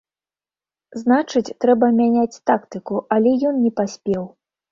Значыць, трэба мяняць тактыку, але ён не паспеў.